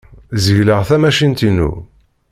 Zegleɣ tamacint-inu.